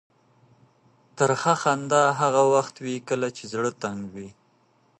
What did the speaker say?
ترخه خندا هغه وخت وي کله چې زړه تنګ وي.